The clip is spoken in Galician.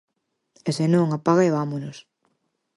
E senón, apaga e vámonos!